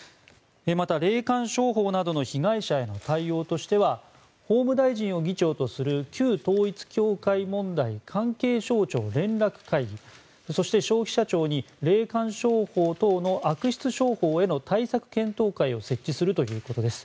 また、霊感商法などの被害者への対応としては法務大臣を議長とする旧統一教会問題関係省庁連絡会議そして消費者庁に霊感商法等の悪質商法への対策検討会を設置するということです。